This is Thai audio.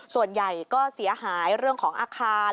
ส่วนใหญ่ก็เสียหายเรื่องของอาคาร